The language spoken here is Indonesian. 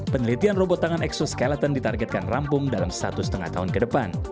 penelitian robot tangan exoscaleton ditargetkan rampung dalam satu setengah tahun ke depan